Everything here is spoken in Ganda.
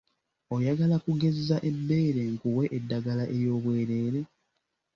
Oyagala okugezza ebbere nkuwe eddagala ery'obwereere.